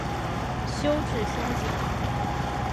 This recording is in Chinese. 修智心净。